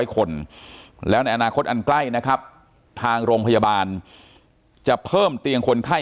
คนแล้วในอนาคตอันใกล้นะครับทางโรงพยาบาลจะเพิ่มเตียงคนไข้